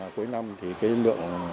cuối năm thì cái lượng